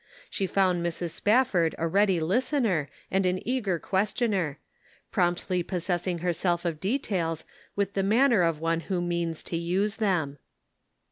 She found Mrs. Spafford a ready listener and an eager questioner, promptly possessing her self of details with the manner of one who: means to use them.